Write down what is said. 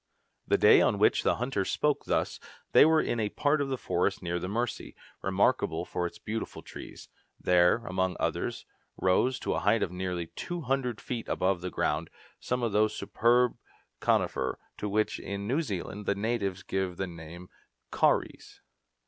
The day on which the hunters spoke thus, they were in a part of the forest near the Mercy, remarkable for its beautiful trees. There, among others, rose, to a height of nearly 200 feet above the ground, some of those superb coniferæ, to which, in New Zealand, the natives give the name of Kauris.